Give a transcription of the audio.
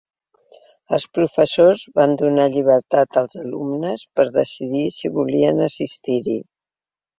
Els professors van donar llibertat als alumnes per decidir si volien assistir-hi.